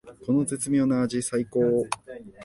この絶妙な味さいこー！